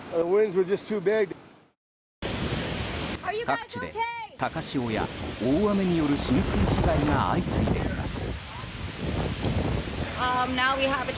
各地で、高潮や大雨による浸水被害が相次いでいます。